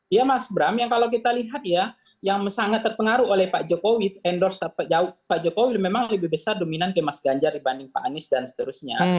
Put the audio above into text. ya mas bram yang kalau kita lihat ya yang sangat terpengaruh oleh pak jokowi endorse pak jokowi memang lebih besar dominan ke mas ganjar dibanding pak anies dan seterusnya